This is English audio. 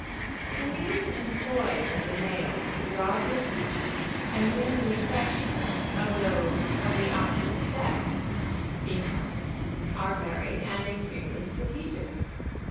The means employed by the males to draw the attention and win the affection of those of the opposite sex (females) are varied and extremely strategic.